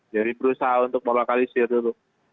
jadi berusaha untuk melokalisir dulu